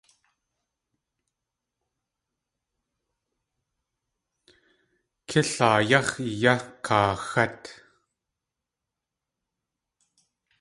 Kílaa yáx̲ i yá kaaxát.